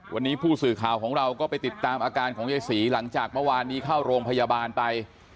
วันนี้ผู้สื่อข่าวของเราก็ไปติดตามอาการของไยศรีหลังจากมันก็ไปเที่ยวรองพยาบาลไป